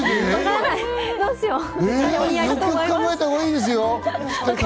よく考えたほうがいいですよ。